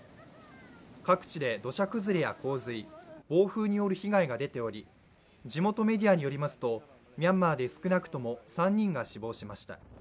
各地で土砂崩れや洪水、暴風による被害が出ており地元メディアによりますと、ミャンマーで少なくとも３人が死亡しました。